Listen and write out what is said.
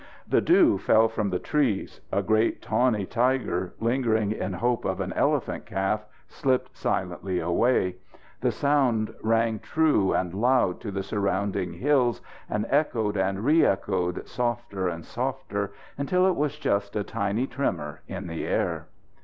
The dew fell from the trees. A great tawny tiger, lingering in hope of an elephant calf, slipped silently away. The sound rang true and loud to the surrounding hills and echoed and re echoed softer and softer, until it was just a tiny tremour in the air.